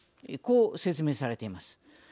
こう説明されています。